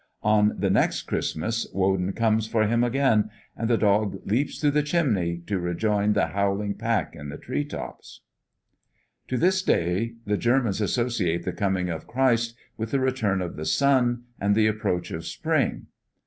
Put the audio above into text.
On the next Christmas, Woden comes for him again, and the dog leaps through the chimney to rejoin the howling pack in the tree tops. To this day the Germans associate the coming of Christ with the return of the sun, and the approach of spring.